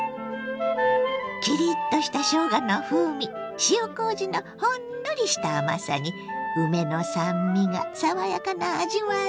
キリッとしたしょうがの風味塩こうじのほんのりした甘さに梅の酸味が爽やかな味わい。